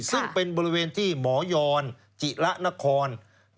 ซึ่งเป็นบริเวณที่หมอยอนจิระนคร